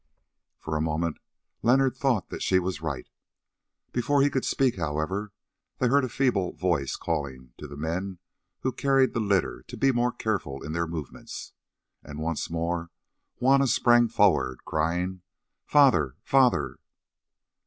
For a moment Leonard thought that she was right. Before he could speak, however, they heard a feeble voice calling to the men who carried the litter to be more careful in their movements, and once more Juanna sprang forward, crying, "Father! Father!"